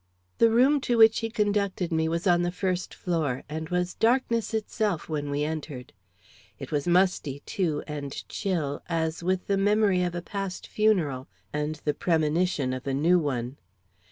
The room to which he conducted me was on the first floor, and was darkness itself when we entered. It was musty, too, and chill, as with the memory of a past funeral and the premonition of a new one.